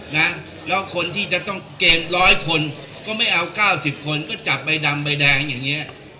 แล้วคนที่จะต้องเกณฑ์๑๐๐คนก็ไม่เอา๙๐คนก็จับใบดำใบแดงอย่างนี้